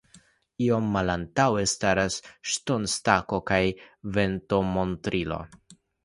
Iom malantaŭe staras ŝtonstako kaj ventomontrilo.